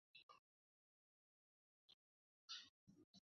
শেষ মুহূর্তে সেভিয়ার রক্ষণভাগের আন্দ্রেওলি বলটি গোল লাইন থেকে ক্লিয়ার করেন।